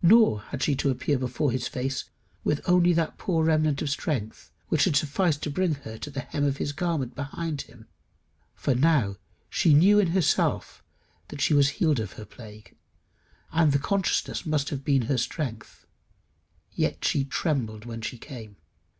Nor had she to appear before his face with only that poor remnant of strength which had sufficed to bring her to the hem of his garment behind him; for now she knew in herself that she was healed of her plague, and the consciousness must have been strength. Yet she trembled when she came.